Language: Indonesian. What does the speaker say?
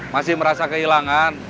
masih merasa kehilangan